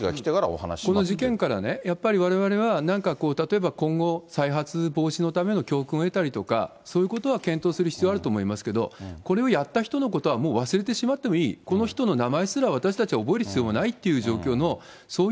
この事件からね、やっぱりわれわれはなんか例えば、今後再発防止のための教訓を得たりとか、そういうことは検討する必要はあると思いますけれども、これをやった人のことはもう忘れてしまってもいい、この人の名前すら私たちは覚える必要がないっていう状況の、そう